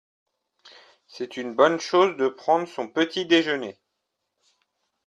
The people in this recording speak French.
C’est une bonne chose de prendre son petit-déjeuner.